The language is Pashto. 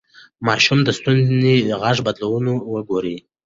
د ماشوم د ستوني غږ بدلون وګورئ.